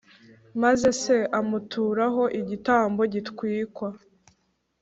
maze se amuturaho igitambo gitwikwa